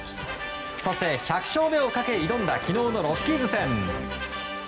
そして、１００勝目をかけ挑んだ昨日のロッキーズ戦。